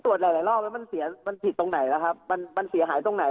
ตรวจหลายรอบแล้วมันเสียผิดตรงไหนแล้วครับมันเสียหายตรงไหน